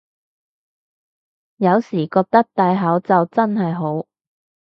有時覺得戴口罩真係好